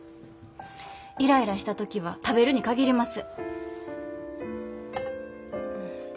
イライラした時は食べるに限ります。